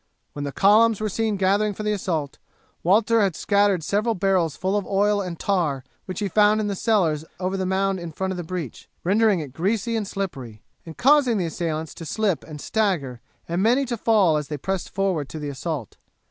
When the columns were seen gathering for the assault Walter had scattered several barrels full of oil and tar which he found in the cellars over the mound in front of the breach, rendering it greasy and slippery, and causing the assailants to slip and stagger and many to fall as they pressed forward to the assault.